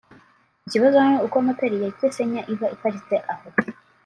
ikibazo ni uko moteri ya Kesenya iba iparitse aho